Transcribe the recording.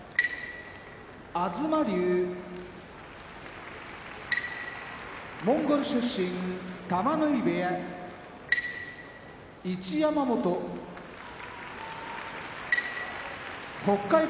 東龍モンゴル出身玉ノ井部屋一山本北海道